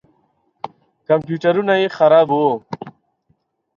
کمپیوټرونه یې خراب وو.